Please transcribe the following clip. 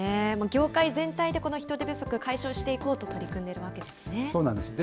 業界全体でこの人手不足、解消していこうと取り組んでいるわけですね。